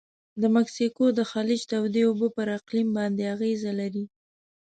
د مکسیکو د خلیج تودې اوبه پر اقلیم باندې اغیزه لري.